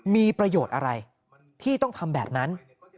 มีประโยชน์อะไรที่ต้องทำแบบนั้น